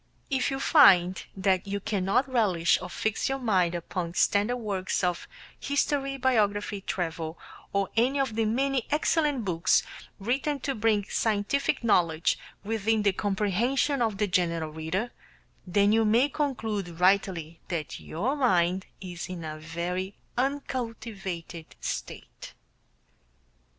If you find that you cannot relish or fix your mind upon standard works of history biography, travel, or any of the many excellent books written to bring scientific knowledge within the comprehension of the general reader, then you may conclude rightly that your mind is in a very uncultivated state.